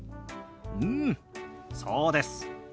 うんそうです。